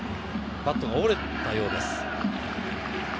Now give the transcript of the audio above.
バットが折れたようです。